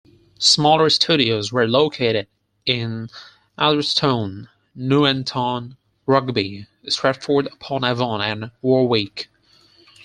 Smaller studios were located in Atherstone, Nuneaton, Rugby, Stratford-upon-Avon and Warwick.